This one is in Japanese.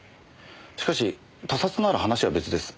しかし他殺なら話は別です。